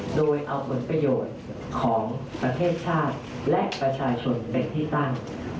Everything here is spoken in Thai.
โดยเอาผลประโยชน์ของประเทศชาติและประชาชนเป็นที่ตั้ง